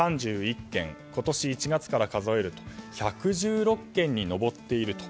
今年１月から数えると１１６件に上っていると。